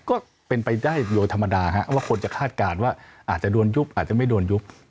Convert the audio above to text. ก็เป็นไปได้โดยธรรมดาว่าคนจะคาดการณ์ว่าอาจจะโดนยุบอาจจะไม่โดนยุบ